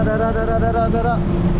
dara dara dara dara